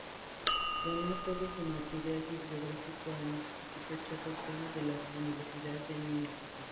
Donó todo su material bibliográfico al Instituto Charles Babbage de la Universidad de Minnesota.